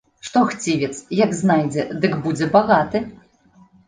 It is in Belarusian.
Што хцівец, як знайдзе, дык будзе багаты!